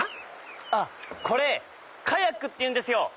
あっこれカヤックっていうんですよ。